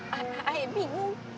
maaf ayah bingung